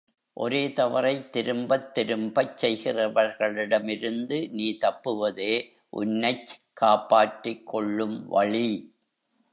ஒரே தவறைத் திரும்பத் திரும்பச் செய்கிறவர்களிடமிருந்து நீ தப்புவதே உன்னைச் காப்பாற்றிக் கொள்ளும் வழி.